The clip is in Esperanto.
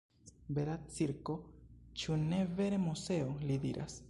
Bela cirko, ĉu ne vere, Moseo? li diras.